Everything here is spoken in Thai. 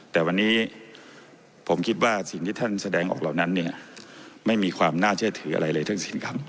แต่วันนี้ผมคิดว่าสิ่งที่ท่านแสดงออกเหล่านั้นเนี่ยไม่มีความน่าเชื่อถืออะไรเลยทั้งสิ้นครับ